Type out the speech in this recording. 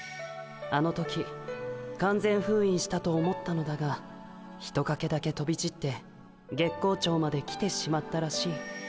あの時完全ふういんしたと思ったのだがひとかけだけとびちって月光町まで来てしまったらしい。